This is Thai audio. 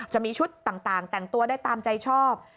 จะมีชุดต่างแต่งตัวได้ตามใจชอบ